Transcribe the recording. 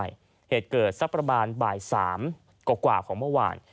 ใช่เหตุเกิดสักประมาณบ่าย๓กว่าของเมื่อวาน